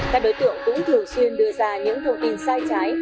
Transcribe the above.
các đối tượng cũng thường xuyên đưa ra những thông tin sai trái